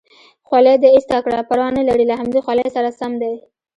خولۍ دې ایسته کړه، پروا نه لري له همدې خولۍ سره سم دی.